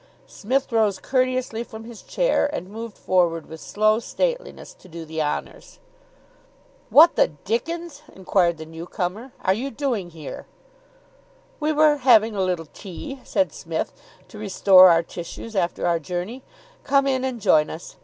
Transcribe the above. Psmith rose courteously from his chair, and moved forward with slow stateliness to do the honours. "What the dickens," inquired the newcomer, "are you doing here?" [Illustration: "WHAT THE DICKENS ARE YOU DOING HERE?"] "We were having a little tea," said Psmith, "to restore our tissues after our journey. Come in and join us.